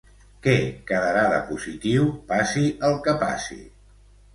Què quedarà de positiu passi el que passi?